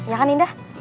iya kan indah